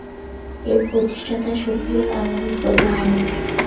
এর প্রতিষ্ঠাতা শফিউল আলম প্রধান।